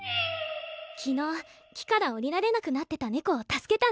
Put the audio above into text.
昨日木から下りられなくなってたねこを助けたんです。